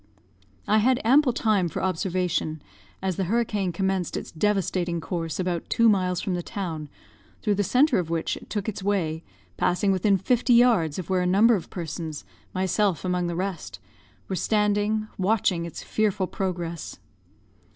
"I had ample time for observation, as the hurricane commenced its devastating course about two miles from the town, through the centre of which it took its way, passing within fifty yards of where a number of persons, myself among the rest, were standing, watching its fearful progress.